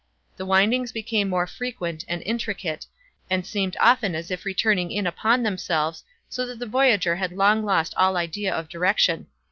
The windings became more frequent and intricate, and seemed often as if returning in upon themselves, so that the voyager had long lost all idea of direction.